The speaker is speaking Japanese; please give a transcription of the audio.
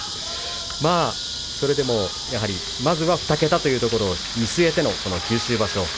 それでもやはりまずは２桁というところを見据えての九州場所です。